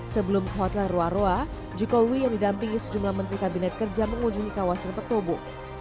sebelum ke hotel roa roa jokowi yang didampingi sejumlah menteri kabinet kerja mengunjungi kawasan petobo